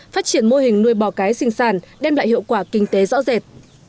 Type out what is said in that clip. phát triển mô hình nuôi bò cái sinh sản đem lại hiệu quả kinh tế rõ rệt